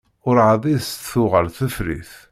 Ur εad i s-d-tuɣal tefrit.